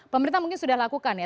pemerintah mungkin sudah lakukan ya